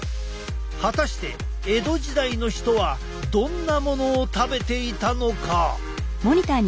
果たして江戸時代の人はどんなものを食べていたのか？